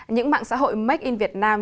những mạng xã hội make in việt nam